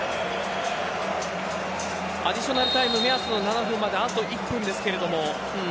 アディショナルタイム目安の７分まであと１分ですけれども。